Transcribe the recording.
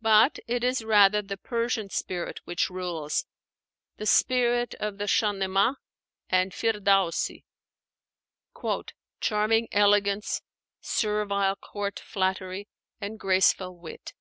But it is rather the Persian spirit which rules, the spirit of the Shahnámeh and Firdaúsi, "charming elegance, servile court flattery, and graceful wit."